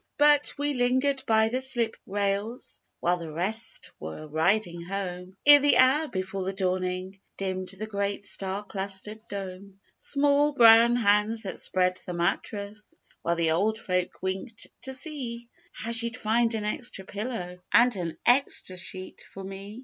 But we lingered by the slip rails While the rest were riding home, Ere the hour before the dawning, Dimmed the great star clustered dome. Small brown hands that spread the mattress While the old folk winked to see How she'd find an extra pillow And an extra sheet for me.